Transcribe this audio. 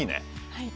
はい。